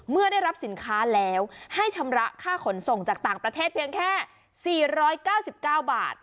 เมื่อได้รับสินค้าแล้วให้ชำระค่าขนส่งจากต่างประเทศเพียงแค่๔๙๙บาท